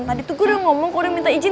tadi tuh gue udah ngomong gue udah minta izin